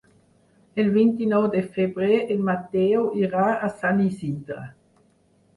El vint-i-nou de febrer en Mateu irà a Sant Isidre.